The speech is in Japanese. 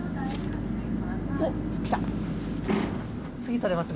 おっきた。